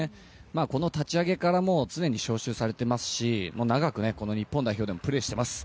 この立ち上げから常に招集されていますし長く、この日本代表でもプレーしています。